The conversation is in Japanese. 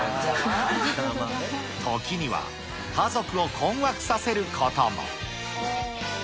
時には家族を困惑させることも。